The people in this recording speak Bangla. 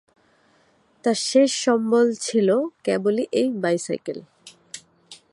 তার শেষ সম্বল ছিল কেবল এই বাইসাইকেল।